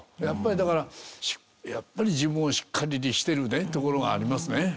やっぱりだからやっぱり自分をしっかり律してるねところがありますね。